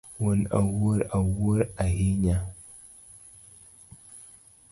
Wuon Awuor wuor ahinya